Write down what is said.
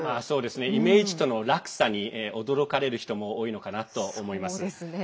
イメージとの落差に驚かれる人も多いのかなと思います。